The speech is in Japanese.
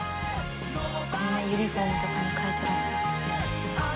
みんなユニフォームとかに書いてらっしゃって。